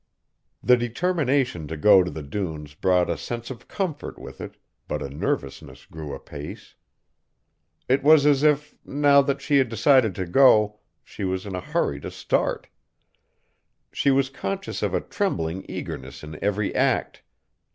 The determination to go to the dunes brought a sense of comfort with it, but a nervousness grew apace. It was as if, now that she had decided to go, she was in a hurry to start. She was conscious of a trembling eagerness in every act.